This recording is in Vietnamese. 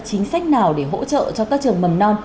chính sách nào để hỗ trợ cho các trường mầm non